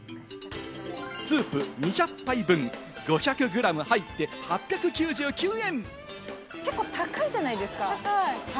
スープ２００杯分、５００グラム入って８９９円。